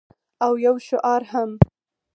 او یو شعار هم